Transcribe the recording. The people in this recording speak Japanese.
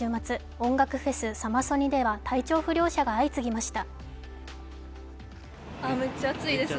音楽フェスサマソニでは体調不良者が相次ぎました。